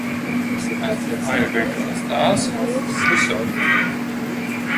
Նույնպիսի կաթիլներ պարունակւում են նաև սպորներում։